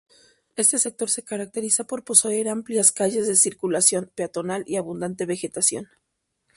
Ese sector se caracteriza por poseer amplias calles de circulación peatonal y abundante vegetación.